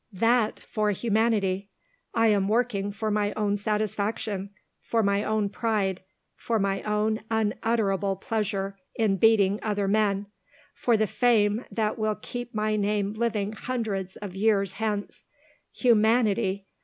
That for humanity! I am working for my own satisfaction for my own pride for my own unutterable pleasure in beating other men for the fame that will keep my name living hundreds of years hence. Humanity!